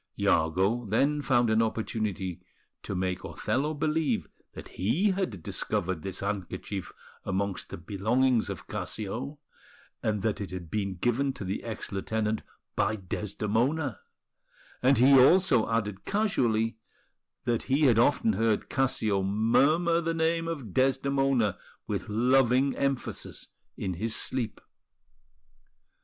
Iago then found an opportunity to make Othello believe that he had discovered this handkerchief amongst the belongings of Cassio, and that it had been given to the ex lieutenant by Desdemona; and he also added casually that he had often heard Cassio murmur the name of Desdemona with loving emphasis in his sleep.